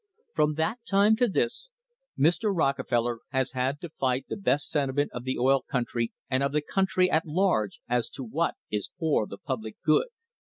From that time to this Mr. Rockefeller has had to fight the best sentiment of the oil country and of the country at large as to what is for the public good.